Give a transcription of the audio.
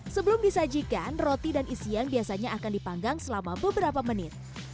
sebelum disajikan roti dan isian biasanya akan dipanggang selama beberapa menit